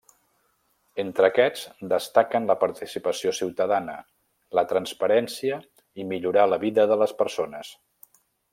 Entre aquests destaquen la participació ciutadana, la transparència i millorar la vida de les persones.